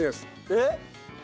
えっ！